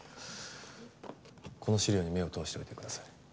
この資料に目を通しておいてください。